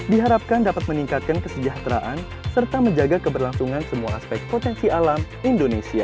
diharapkan dapat meningkatkan kesejahteraan serta menjaga keberlangsungan semua aspek potensi alam indonesia